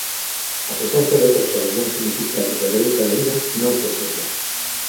A presenza de persoas ben significadas da dereita galega non sorprende.